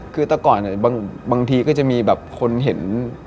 คือแต่ก่อนบางทีก็จะมีแบบคนเห็น